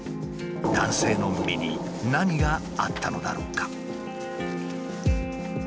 男性の身に何があったのだろうか？